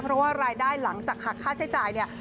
เพราะว่ารายได้หลังจากหักค่าใช้จ่ายเนี่ย